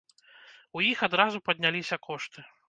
У іх адразу падняліся кошты.